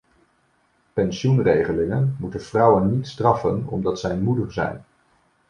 Pensioenregelingen moeten vrouwen niet straffen omdat zij moeder zijn.